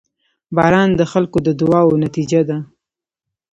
• باران د خلکو د دعاوو نتیجه ده.